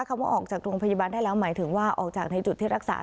คำว่าออกจากโรงพยาบาลได้แล้วหมายถึงว่าออกจากในจุดที่รักษา